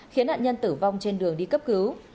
khiến nạn nhân tử vong trên đường đi cấp cứu